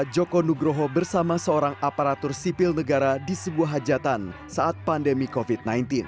joko nugroho bersama seorang aparatur sipil negara di sebuah hajatan saat pandemi covid sembilan belas